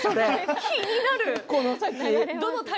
気になる。